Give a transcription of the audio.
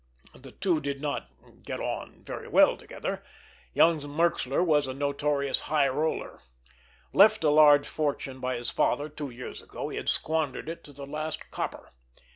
The two did not get on very well together. Young Merxler was a notorious "high roller." Left a large fortune by his father two years ago, he had squandered it to the last copper.